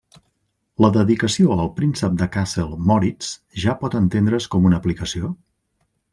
La dedicació al Príncep de Kassel Moritz ja pot entendre's com una aplicació?